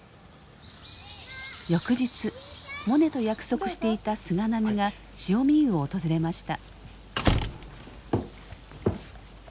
翌日モネと約束していた菅波が汐見湯を訪れました。